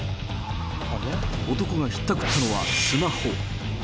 男がひったくったのは、スマホ。